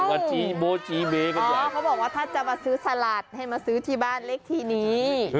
อ้าวเขาบอกว่าถ้าจะมาซื้อสลัดให้มาซื้อที่บ้านเลขที่นี้